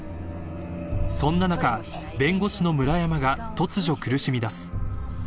［そんな中弁護士の村山が突如苦しみだす］